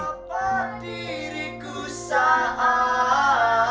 jadi apa diriku saat